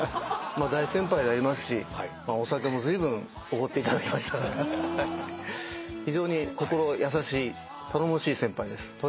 大先輩でありますしお酒もずいぶんおごっていただきましたから非常に心優しい頼もしい先輩です。